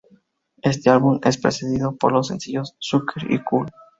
Este álbum es precedido por los sencillos Sucker y Cool.